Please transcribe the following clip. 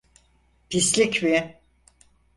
Pislik mi?